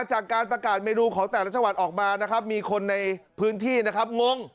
จากการประกาศเมนูของแต่ละจังหวัดออกมานะครับ